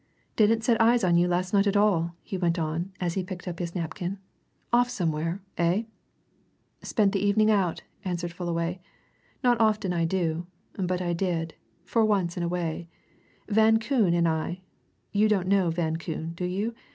"Didn't set eyes on you last night at all," he went on, as he picked up his napkin. "Off somewhere, eh?" "Spent the evening out," answered Fullaway. "Not often I do, but I did for once in a way. Van Koon and I (you don't know Van Koon, do you?